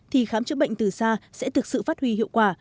thì khám chữa bệnh từ xa sẽ thực sự phát huy hiệu quả